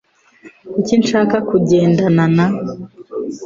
Kuki nshaka kugendana na ?